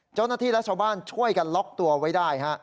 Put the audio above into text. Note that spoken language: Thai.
เจ้าหน้าที่และชาวบ้านช่วยกันล็อกตัวไว้ได้ฮะ